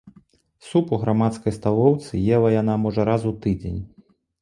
Суп у грамадскай сталоўцы ела яна, можа, раз у тыдзень.